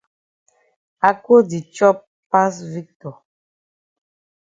Ako di chop pass Victor.